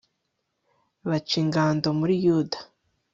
baca ingando muri yuda